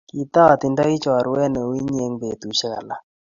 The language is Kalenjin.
Kiptooa atindoi chorwet neu inye eng betusiek alak